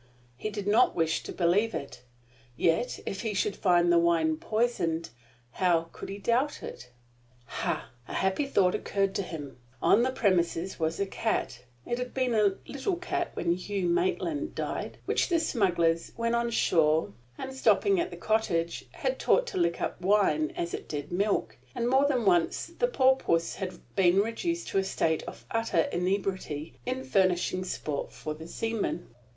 He did not wish to believe it. Yet, if he should find the wine poisoned, how could he doubt it? Ha! A happy thought occurred to him. On the premises was a cat it had been a little kitten when Hugh Maitland died which the smugglers, when on shore and stopping at the cottage, had taught to lick up wine as it did milk, and more than once had poor puss been reduced to a state of utter inebriety in furnishing sport for the seamen.